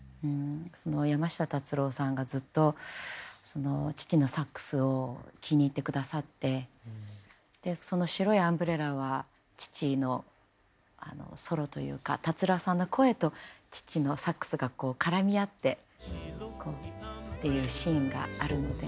山下達郎さんがずっと父のサックスを気に入ってくださってでその「白いアンブレラ」は父のソロというか達郎さんの声と父のサックスがこう絡み合ってこうっていうシーンがあるので。